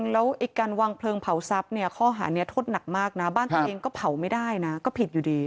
แล้วการวางเพลิงเผาทรัพย์ข้อหารทดหนักมากบ้านตัวเองก็เผาไม่ได้ก็ผิดอยู่ดี